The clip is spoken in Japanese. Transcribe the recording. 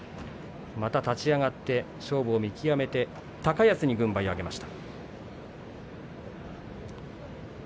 立ち上がって、勝負を見極めて高安に軍配を上げました。